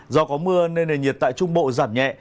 do có mưa nên nền nhiệt tại trung bộ giảm nhẹ